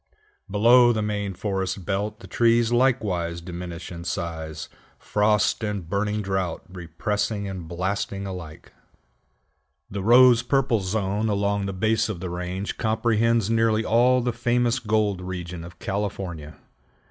Below the main forest belt the trees likewise diminish in size, frost and burning drought repressing and blasting alike. [Illustration: MAP OF THE SIERRA NEVADA] The rose purple zone along the base of the range comprehends nearly all the famous gold region of California.